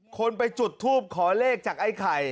คนไปจุดทูปขอเลขจากไอ้ไข่